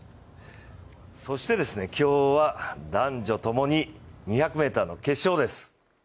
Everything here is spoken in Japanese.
そして今日は男女共に２００ｍの決勝です。